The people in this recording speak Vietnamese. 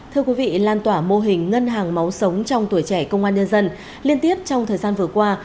thưa quý vị lan tỏa mô hình ngân hàng máu sống trong tuổi trẻ công an nhân dân liên tiếp trong thời gian vừa qua